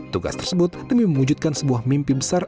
tugas tersebut demi mewujudkan sebuah mimpi besar